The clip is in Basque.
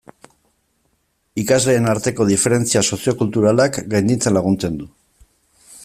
Ikasleen arteko diferentzia soziokulturalak gainditzen laguntzen du.